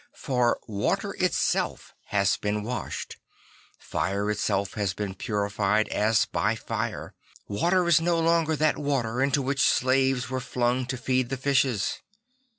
For water itself has been washed. Fire itself has been purified as by fire. Water is no longer that water into which slaves were flung to feed the fishes.